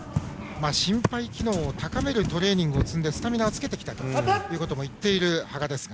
心肺機能を高めるトレーニングを積み、スタミナはつけてきたと言っている羽賀ですが。